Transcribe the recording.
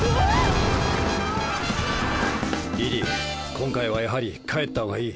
今回はやはり帰ったほうがいい。